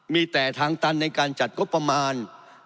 มีแต่ทางตันในการจัดงบประมาณ